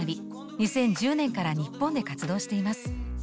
２０１０年から日本で活動しています。